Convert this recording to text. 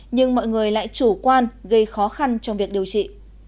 nhưng mọi người lại chủ quan gây khó khăn trong việc điều trị